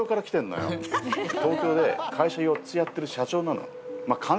東京で会社４つやってる社長なの。